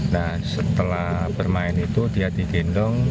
nah setelah bermain itu dia digendong